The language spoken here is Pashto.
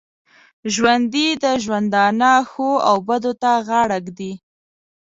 ژوندي د ژوندانه ښو او بدو ته غاړه ږدي